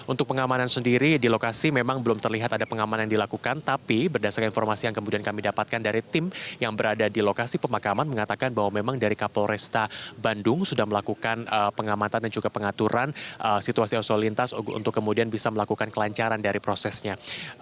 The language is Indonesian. untuk pengamanan sendiri di lokasi memang belum terlihat ada pengamanan dilakukan tapi berdasarkan informasi yang kemudian kami dapatkan dari tim yang berada di lokasi pemakaman mengatakan bahwa memang dari kapolresta bandung sudah melakukan pengamatan dan juga pengaturan situasi arus lalu lintas untuk kemudian bisa melakukan kelancaran dari prosesnya